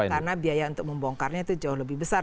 karena biaya untuk membongkarnya itu jauh lebih besar